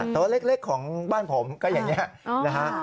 โต๊ะเล็กของบ้านผมก็อย่างนี้นะฮะ